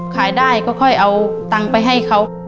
ขายได้ก็ค่อยเอาตังค์ไปให้เขา